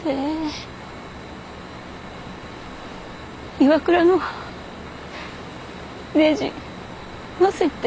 ＩＷＡＫＵＲＡのねじ載せて。